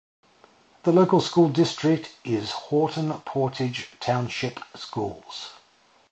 The local school district is Houghton-Portage Township Schools.